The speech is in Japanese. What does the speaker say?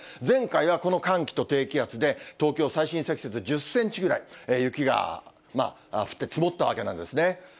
前回はこの寒気と低気圧で、東京、最深積雪１０センチぐらい、雪が降って積もったわけなんですね。